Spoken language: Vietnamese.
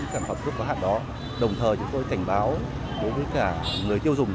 các thuốc có hạn đó đồng thời chúng tôi cảnh báo đối với cả người tiêu dùng